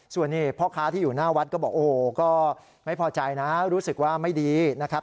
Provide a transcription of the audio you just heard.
ส่วนนี้พ่อค้าที่อยู่หน้าวัดก็บอกโอ้โหก็ไม่พอใจนะรู้สึกว่าไม่ดีนะครับ